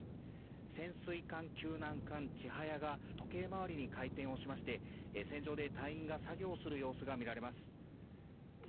潜水艦救難艦「ちはや」が時計回りに回転しまして船上で隊員が作業する様子が見られます。